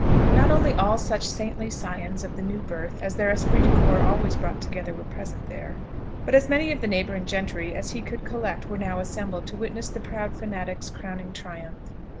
Not only all such saintly scions of the new birth as their esprit de corps always brought together were present there, but as many of the neighbouring gentry as he could collect were now assembled to witness the proud fanatic's crowning triumph.